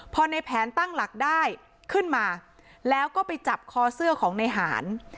พอในแผนตั้งหลักได้ขึ้นมาแล้วก็ไปจับคอเสื้อของในหาร